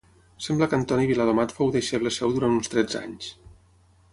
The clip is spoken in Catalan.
Sembla que Antoni Viladomat fou deixeble seu durant uns tretze anys.